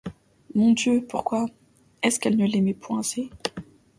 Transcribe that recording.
Mon Dieu ! pourquoi ? est-ce qu’elle ne l’aimait point assez ?